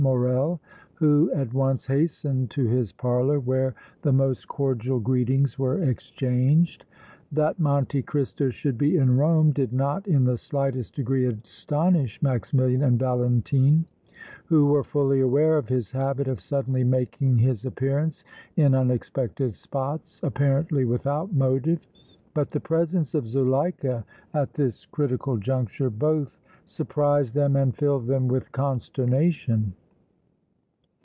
Morrel, who at once hastened to his parlor, where the most cordial greetings were exchanged. That Monte Cristo should be in Rome did not in the slightest degree astonish Maximilian and Valentine, who were fully aware of his habit of suddenly making his appearance in unexpected spots apparently without motive, but the presence of Zuleika at this critical juncture both surprised them and filled them with consternation.